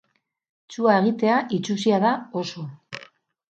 Txua egitea itsusia da, oso.